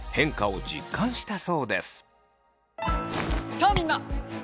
さあみんな！